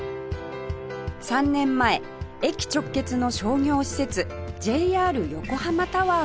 ３年前駅直結の商業施設 ＪＲ 横浜タワーがオープン